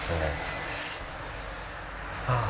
ああ。